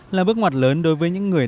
là bước ngoặt lớn đối với những người